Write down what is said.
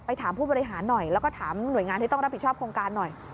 ถามผู้บริหารหน่อยแล้วก็ถามหน่วยงานที่ต้องรับผิดชอบโครงการหน่อย